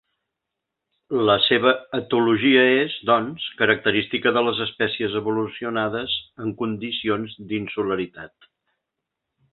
La seva etologia és, doncs, característica de les espècies evolucionades en condicions d'insularitat.